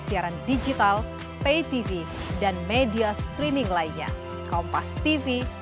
siaran digital pay tv dan media streaming lainnya kompas tv